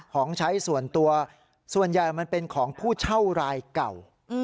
ของใช้ส่วนตัวส่วนใหญ่มันเป็นของผู้เช่ารายเก่า